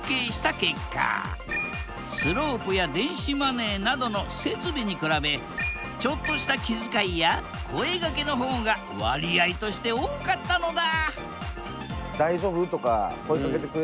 スロープや電子マネーなどの設備に比べちょっとした気遣いや声がけの方が割合として多かったのだ！